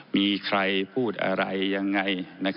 มีใครพูดอะไรอย่างไร